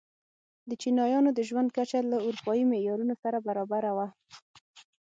د چینایانو د ژوند کچه له اروپايي معیارونو سره برابره وه.